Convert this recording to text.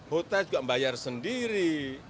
botai juga membayar sendiri